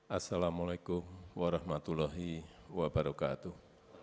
assalamu'alaikum warahmatullahi wabarakatuh